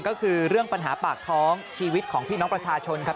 ก็คือเรื่องปัญหาปากท้องชีวิตของพี่น้องประชาชนครับ